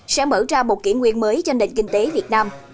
sẽ mở ra một kỷ nguyên mới cho nền kinh tế việt nam